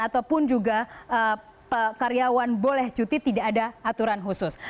ataupun juga karyawan boleh cuti tidak ada aturan khusus